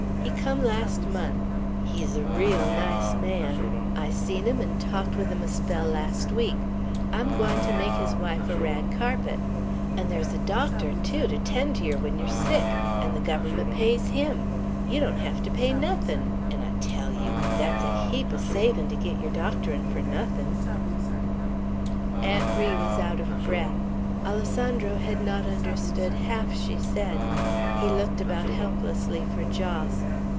He come last month; he's a reel nice man. I seen him 'n' talked with him a spell, last week; I'm gwine to make his wife a rag carpet. 'N' there's a doctor, too, to 'tend ter yer when ye're sick, 'n' the Guvvermunt pays him; yer don't hev to pay nothin'; 'n' I tell yeow, thet's a heap o' savin', to git yer docterin' fur nuthin'!" Aunt Ri was out of breath. Alessandro had not understood half she said. He looked about helplessly for Jos.